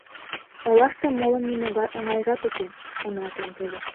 Олаште моло нимогай оҥайжат уке», — шоналтен тудо.